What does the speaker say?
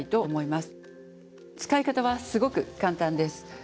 使い方はすごく簡単です。